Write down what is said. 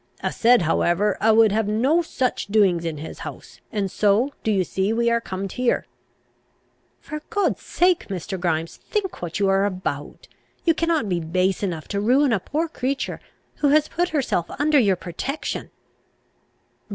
A' said however, a' would have no such doings in his house, and so, do ye see, we are comed here." "For God's sake, Mr. Grimes, think what you are about! You cannot be base enough to ruin a poor creature who has put herself under your protection!